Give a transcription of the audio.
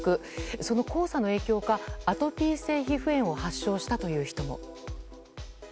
その黄砂の影響かアトピー性皮膚炎を発症したという人も。